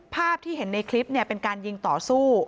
ภาพที่เห็นในคลิปเป็นการยิงต่อสู้